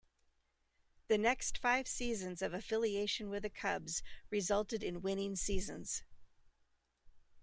The next five seasons of affiliation with the Cubs resulted in winning seasons.